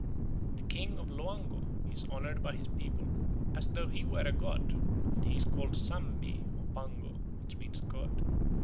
The king of Loango is honoured by his people "as though he were a god; and he is called Sambee and Pango, which mean god.